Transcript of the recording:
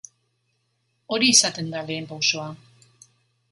Hori izaten da lehen pausoa.